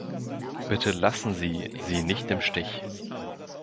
Bitte lassen Sie sie nicht im Stich.